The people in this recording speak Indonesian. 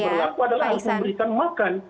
kalau melakukan karantina apa yang harus diberikan makan